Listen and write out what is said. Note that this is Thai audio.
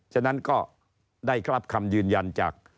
ฉะนั้นก็ได้รับคำยืนยันจาก